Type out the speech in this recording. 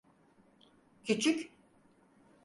Küçük.